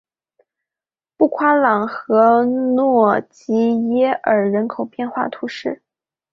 布夸朗和诺济耶尔人口变化图示